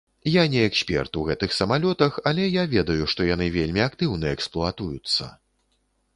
Я не эксперт у гэтых самалётах, але я ведаю, што яны вельмі актыўна эксплуатуюцца.